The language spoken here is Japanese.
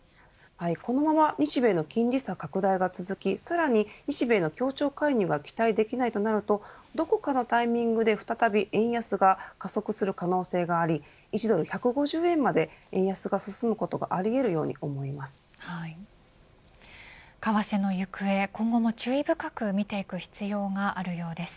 このまま日米の金利差拡大が続き、さらに日米の協調介入が期待できないとなるとどこかのタイミングで再び円安が加速する可能性があり１ドル１５０円まで円安が進むことが為替の行方、今後も注意深くみていく必要があるようです。